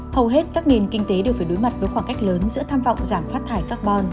hầu hết các nền kinh tế đều phải đối mặt với khoảng cách lớn giữa tham vọng giảm phát thải carbon